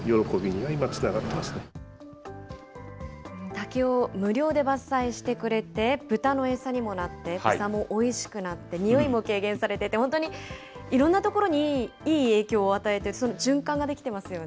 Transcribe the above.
竹を無料で伐採してくれて、豚の餌にもなって、豚もおいしくなって、臭いも軽減されてって、本当にいろんなところにいい影響を与えて、循環ができてますよね。